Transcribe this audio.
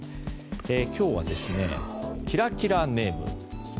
今日はキラキラネーム。